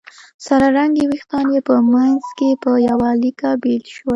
سره رنګي وېښتان یې په منځ کې په يوه ليکه بېل شوي وو